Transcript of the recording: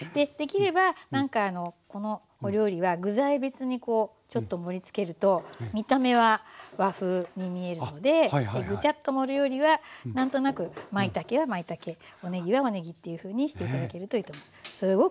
できればなんかこのお料理は具材別にちょっと盛りつけると見た目は和風に見えるのでぐちゃっと盛るよりは何となくまいたけはまいたけおねぎはおねぎっていうふうにして頂けるといいと思う。